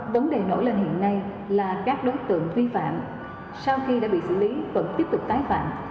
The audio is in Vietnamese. vấn đề nổi lên hiện nay là các đối tượng vi phạm sau khi đã bị xử lý vẫn tiếp tục tái phạm